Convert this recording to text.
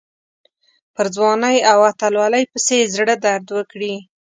پر ځوانۍ او اتلولۍ پسې یې زړه درد وکړي.